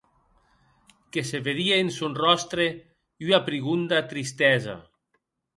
Que se vedie en sòn ròstre ua prigonda tristesa.